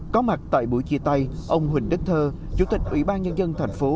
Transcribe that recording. có mặt tại buổi chia tay ông huỳnh đức thơ chủ tịch ủy ban nhân dân thành phố